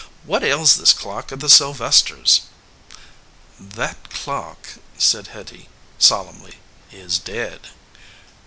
What ails this clock of the Sylvesters ?" "That clock," said Hitty solemnly, "is dead."